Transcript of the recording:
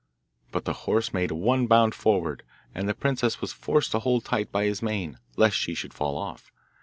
But the horse made one bound forward, and the princess was forced to hold tight by his mane, lest she should fall off.